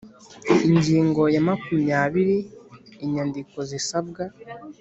Ingingo ya makumyabiri Inyandiko zisabwa